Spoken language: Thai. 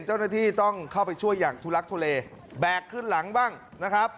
เจ้าหน้าที่ต้องเข้าไปช่วยอย่างทุลักทุเลแบกขึ้นหลังบ้างนะครับ